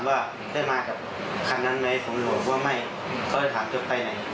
ทำไมที่ตีไปทำผิดอะไรหรือเปล่า